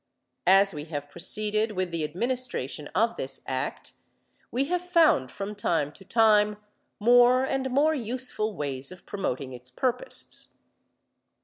As we have proceeded with the administration of this Act, we have found from time to time more and more useful ways of promoting its purposes.